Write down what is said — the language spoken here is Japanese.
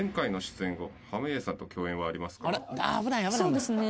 そうですね。